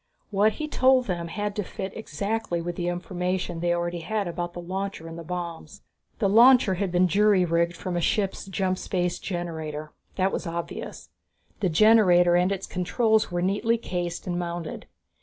What he told them had to fit exactly with the information they already had about the launcher and the bombs. The launcher had been jury rigged from a ship's jump space generator; that was obvious. The generator and its controls were neatly cased and mounted.